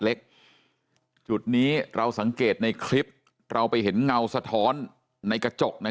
จุดนี้เราสังเกตในคลิปเราไปเห็นเงาสะท้อนในกระจกนะ